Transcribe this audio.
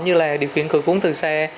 như điều khiển cửa cuốn từ xe